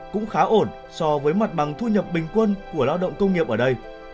cũng khá ổn so với mặt bằng thu nhập bình quân của lao động công nghiệp ở đây